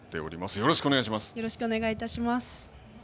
よろしくお願いします。